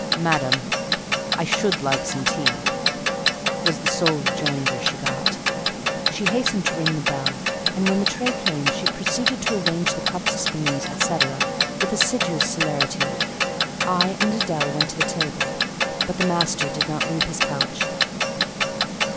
"Madam, I should like some tea," was the sole rejoinder she got. She hastened to ring the bell; and when the tray came, she proceeded to arrange the cups, spoons, &c., with assiduous celerity. I and Adèle went to the table; but the master did not leave his couch.